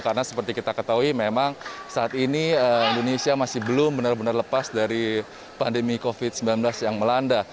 karena seperti kita ketahui memang saat ini indonesia masih belum benar benar lepas dari pandemi covid sembilan belas yang melanda